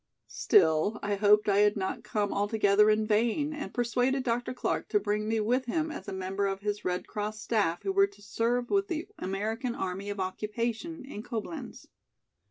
Still I hoped I had not come altogether in vain and persuaded Dr. Clark to bring me with him as a member of his Red Cross staff who were to serve with the American Army of Occupation in Coblenz.